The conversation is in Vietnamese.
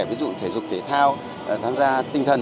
ví dụ thể dục thể thao tham gia tinh thần